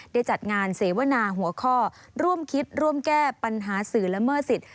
จัดงานเสวนาหัวข้อร่วมคิดร่วมแก้ปัญหาสื่อละเมิดสิทธิ